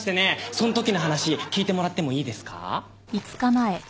そん時の話聞いてもらってもいいですか？